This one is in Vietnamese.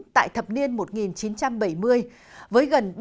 tại thập niên một nghìn chín trăm bảy mươi với gần